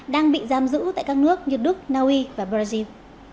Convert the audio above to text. tạm giữ tại các nước như đức naui và brazil